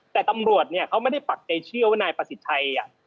แต่ตำรวจเนี่ยเขาไม่ได้ปักใจเชื่อว่านายประสิทธิ์ชัย